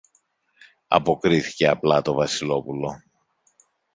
αποκρίθηκε απλά το Βασιλόπουλο